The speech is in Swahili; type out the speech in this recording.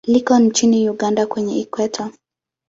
Liko nchini Uganda kwenye Ikweta.